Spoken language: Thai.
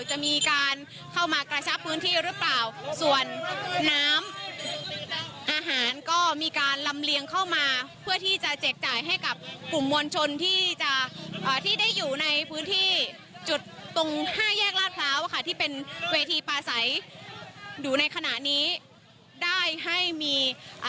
จะมีการเข้ามากระชับพื้นที่หรือเปล่าส่วนน้ำอาหารก็มีการลำเลียงเข้ามาเพื่อที่จะแจกจ่ายให้กับกลุ่มมวลชนที่จะอ่าที่ได้อยู่ในพื้นที่จุดตรงห้าแยกลาดพร้าวค่ะที่เป็นเวทีปลาใสอยู่ในขณะนี้ได้ให้มีอ่า